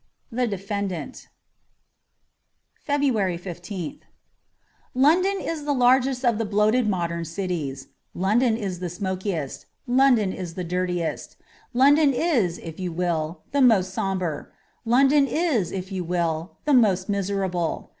Ti f DfrrndanL^ FEBRUARY 15th LONDON is the largest of the bloated modern cities ; London is the smokiest ; London is the dirtiest ; London is, if you will, the most sombre ; London is, if you will, the most miserable.